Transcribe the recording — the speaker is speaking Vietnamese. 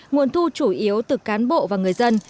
nguồn thu chủ yếu từ cán bộ và người dân